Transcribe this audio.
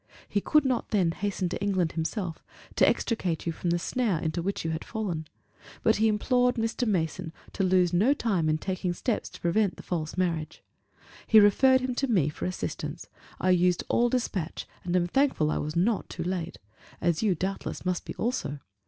He could not then hasten to England himself, to extricate you from the snare into which you had fallen, but he implored Mr. Mason to lose no time in taking steps to prevent the false marriage. He referred him to me for assistance, I used all dispatch, and am thankful I was not too late: as you, doubtless, must be also.